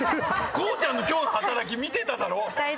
こうちゃんの今日の働き見てただろ